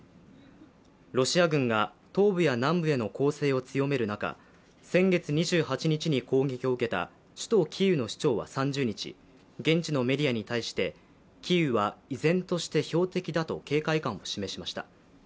ロシア軍が東部や南部への攻勢を強める中、先月２８日に攻撃を受けた首都キーウの市長は３０日現地のメディアに対してキーウは依然として標的だと警戒感を示しました。